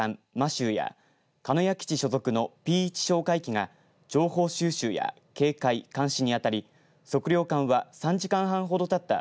しゅうや鹿屋基地所属のＰ１哨戒機が情報収集や警戒、監視に当たり測量艦は３時間半ほどたった